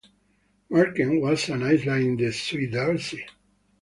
Marken was an island in the Zuiderzee.